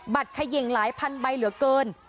เขย่งหลายพันใบเหลือเกิน